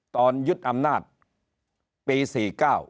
ตอนยึดอำนาจปี๔๙